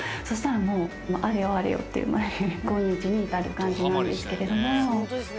そしたらもうあれよあれよっていう間に今日に至る感じなんですけれども。